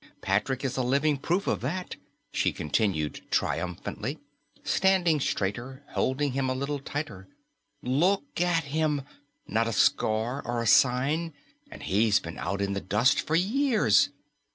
Patrick is a living proof of that," she continued triumphantly, standing straighter, holding him a little tighter. "Look at him. Not a scar or a sign, and he's been out in the dust for years.